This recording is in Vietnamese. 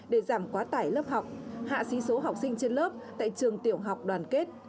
để giảm quá tải lớp học hạ sĩ số học sinh trên lớp tại trường tiểu học đoàn kết